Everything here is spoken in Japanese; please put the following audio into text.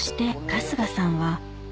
春日さん。